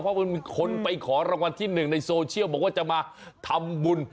เพราะมันมีคนไปขอรางวัลที่๑ในโซเชียลบอกว่าจะมาทำบุญ